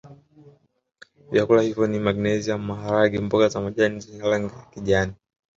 Vyakula hivyo ni magnesium maharage mboga za majani zenye rangi ya kijani